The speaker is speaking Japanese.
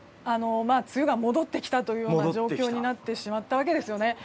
梅雨が戻ってきてしまったという状況になってしまったわけですよね。